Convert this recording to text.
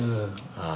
ああ。